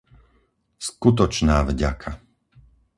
Skutočná vďaka!